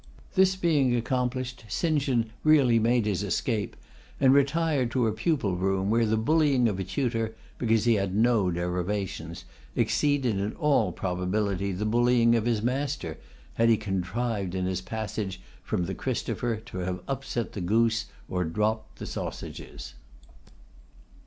This being accomplished, St. John really made his escape, and retired to a pupil room, where the bullying of a tutor, because he had no derivations, exceeded in all probability the bullying of his master, had he contrived in his passage from the Christopher to have upset the goose or dropped the sausages.